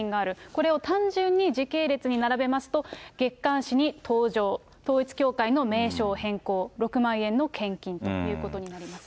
これを単純に時系列に並べますと、月刊誌に登場、統一教会の名称変更、６万円の献金ということになります。